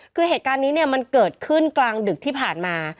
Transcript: คือเหตุการณ์นี้เนี่ยมันเกิดขึ้นกลางดึกที่ผ่านมา